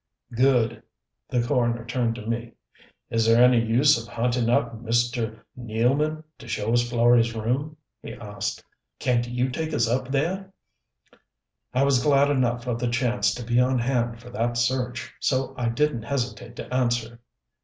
"Good." The coroner turned to me. "Is there any use of hunting up Mr. Nealman to show us Florey's room?" he asked. "Can't you take us up there?" I was glad enough of the chance to be on hand for that search, so I didn't hesitate to answer.